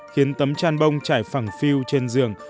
khiến tấm chăn bông chảy phẳng phiêu trên giường